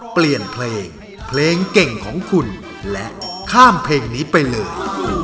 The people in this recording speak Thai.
เปลี่ยนเพลงเพลงเก่งของคุณและข้ามเพลงนี้ไปเลย